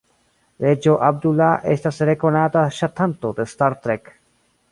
Reĝo Abdullah estas rekonata ŝatanto de "Star Trek".